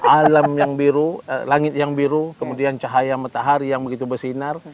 alam yang biru langit yang biru kemudian cahaya matahari yang begitu bersinar